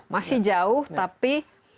masih jauh tapi